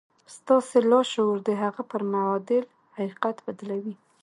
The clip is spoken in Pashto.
ستاسې لاشعور د هغه پر معادل حقيقت بدلوي.